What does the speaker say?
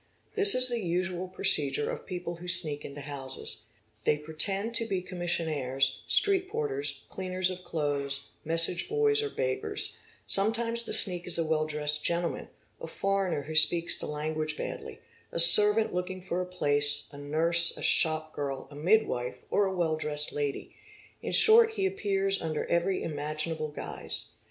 This is the usual procedure of people who sneak into houses; they pretend to be commissionaires, street porters, cleaners Or~ — of clothes, message boys, or beggars; sometimes, the sneak is a well — dressed gentleman, a foreigner who speaks the language badly, a servant looking for a place, a nurse, a shopgirl, a midwife, or a well dressed lady; — in short he appears under every imaginable guise.